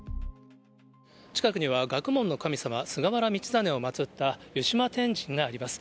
近くには学問の神様、菅原道真をまつった湯島天神があります。